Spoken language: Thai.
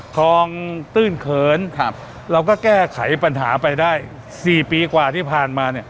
คลองตื้นเขินครับเราก็แก้ไขปัญหาไปได้๔ปีกว่าที่ผ่านมาเนี่ย